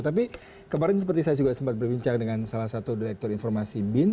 tapi kemarin seperti saya juga sempat berbincang dengan salah satu direktur informasi bin